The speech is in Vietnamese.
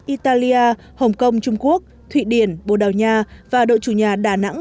italia hồng kông trung quốc thụy điển bồ đào nha và đội chủ nhà đà nẵng